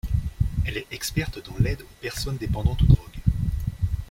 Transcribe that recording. Elle est experte dans l'aide aux personnes dépendantes aux drogues.